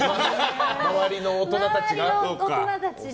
周りの大人たちが。